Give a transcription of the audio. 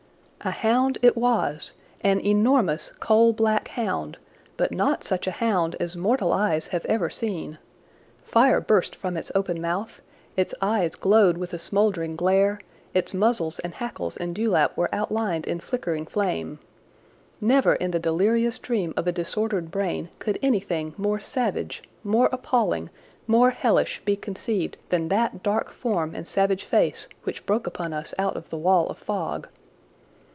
A hound it was, an enormous coal black hound, but not such a hound as mortal eyes have ever seen. Fire burst from its open mouth, its eyes glowed with a smouldering glare, its muzzle and hackles and dewlap were outlined in flickering flame. Never in the delirious dream of a disordered brain could anything more savage, more appalling, more hellish be conceived than that dark form and savage face which broke upon us out of the wall of fog.